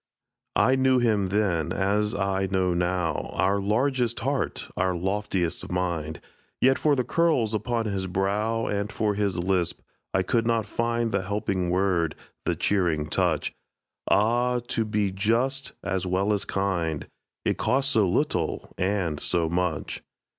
I knew him then, as I know now, Our largest heart, our loftiest mind; Yet for the curls upon his brow And for his lisp, I could not find The helping word, the cheering touch. Ah, to be just, as well as kind, It costs so little and so much!